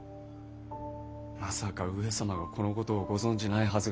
まさか上様がこのことをご存じないはずがあるまい。